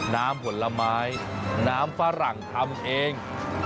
น้ำผลไม้น้ำฝรั่งทำเอง